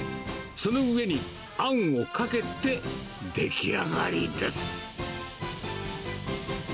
その上にあんをかけて出来上がりです。